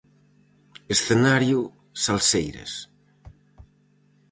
Escenario salseiras.